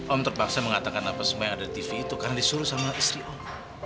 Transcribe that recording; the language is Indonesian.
om terpaksa mengatakan apa semua yang ada di tv itu karena disuruh sama istri om